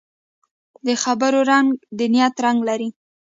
د خبرو رنګ د نیت رنګ لري